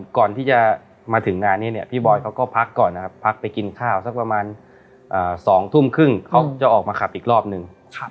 ก่อนที่จะมาถึงงานนี้เนี่ยพี่บอยเขาก็พักก่อนนะครับพักไปกินข้าวสักประมาณ๒ทุ่มครึ่งเขาจะออกมาขับอีกรอบนึง